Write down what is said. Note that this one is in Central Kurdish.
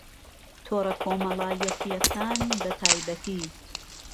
تۆڕەکۆمەڵایەتییەکان بەتایبەتی